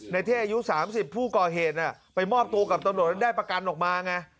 เท่อายุ๓๐ผู้ก่อเหตุไปมอบตัวกับตำรวจแล้วได้ประกันออกมาไง